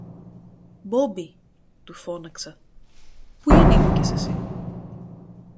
Μπόμπη, του φώναξα, πού γεννήθηκες εσύ;